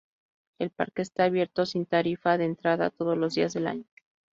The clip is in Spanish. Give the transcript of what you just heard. El parque está abierto sin tarifa de entrada todos los días del año.